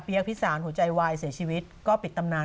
พิสารหัวใจวายเสียชีวิตก็ปิดตำนาน